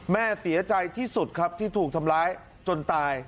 แม่เสียใจที่สุดครับที่ถูกทำร้ายจนตาย